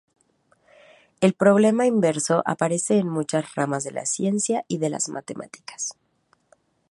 El problema inverso aparece en muchas ramas de la ciencia y de las matemáticas.